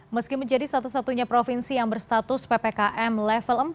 meski menjadi satu satunya provinsi yang berstatus ppkm level empat